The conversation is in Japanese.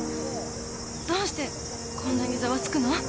どうしてこんなにざわつくの？